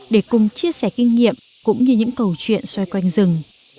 để cùng chia sẻ kinh nghiệm cũng như những câu chuyện xoay quanh rừng